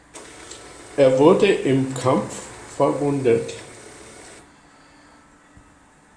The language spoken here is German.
Er wurde im Kampf verwundet.